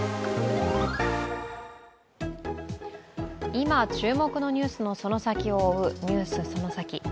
今、注目のニュースのその先を追う「ＮＥＷＳそのサキ！」。